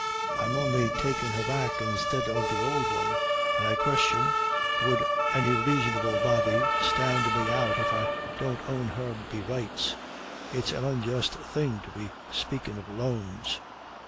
I'm on'y takin' her back instid of the ould one, and I question would any raisonable body stand me out I don't own her be rights. It's an unjust thing to be spakin' of loans."